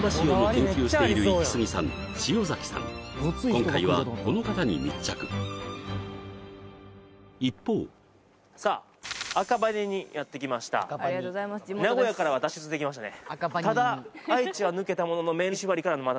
今回はこの方に密着一方さあ赤羽にやって来ました名古屋からは脱出できましたね